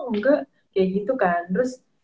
enggak kayak gitu kan terus